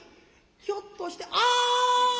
「ひょっとしてあっ！」。